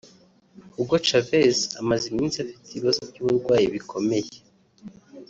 Hugo Chavez amaze iminsi afite ibibazo by’uburwayi bikomeye